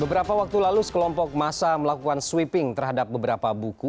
beberapa waktu lalu sekelompok masa melakukan sweeping terhadap beberapa buku